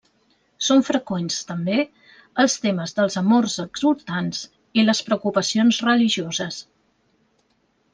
Són freqüents, també, els temes dels amors exultants i les preocupacions religioses.